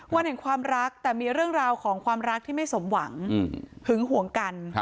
วันแห่งความรักแต่มีเรื่องราวของความรักที่ไม่สมหวังหึงห่วงกัน